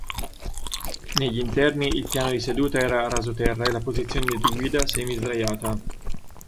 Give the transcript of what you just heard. Negli interni il piano di seduta era rasoterra e la posizione di guida semi-sdraiata.